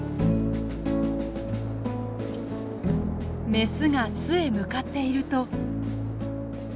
雌が巣へ向かっていると。